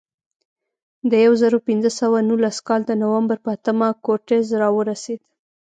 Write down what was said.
د یو زرو پینځه سوه نولس کال د نومبر په اتمه کورټز راورسېد.